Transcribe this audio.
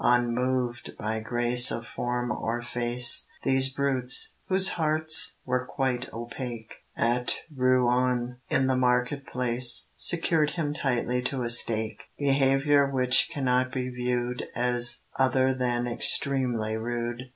Unmoved by grace of form or face, These brutes, whose hearts were quite opaque, At Rouen, in the market place, Secured him tightly to a stake; (Behaviour which cannot be viewed As other than extremely rude.)